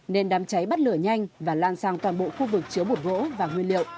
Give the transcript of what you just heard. nên đám cháy bắt lửa nhanh và lan sang toàn bộ khu vực chứa một gỗ và nguyên liệu